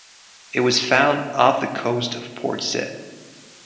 It was found off the coast of Port Said.